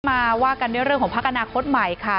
มาว่ากันด้วยเรื่องของพักอนาคตใหม่ค่ะ